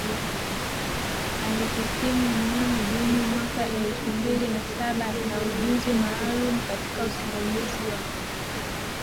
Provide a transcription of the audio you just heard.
alihitimu mnamo Juni mwaka elfu mbili na saba na ujuzi maalum katika Usimamizi wa